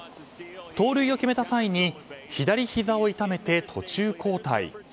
盗塁を決めた際に左ひざを痛めて途中交代。